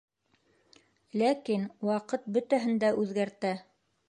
Ләкин ваҡыт бөтәһен дә үҙгәртә!